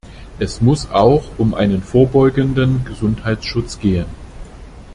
Es muss auch um einen vorbeugenden Gesundheitsschutz gehen.